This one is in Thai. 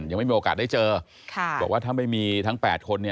ยังไม่มีโอกาสได้เจอบอกว่าถ้าไม่มีทั้ง๘คน